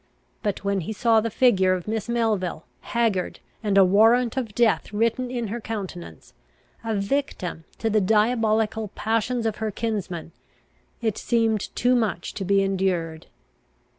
But, when he saw the figure of Miss Melville, haggard, and a warrant of death written in her countenance, a victim to the diabolical passions of her kinsman, it seemed too much to be endured.